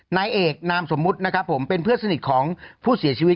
นายเอกนามสมมุตินะครับผมเป็นเพื่อนสนิทของผู้เสียชีวิต